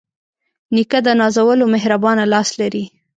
نیکه د نازولو مهربانه لاس لري.